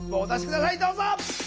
どうぞ！